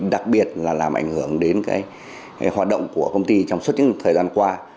đặc biệt là làm ảnh hưởng đến hoạt động của công ty trong suốt những thời gian qua